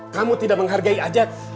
kamu tidak menghargai ajat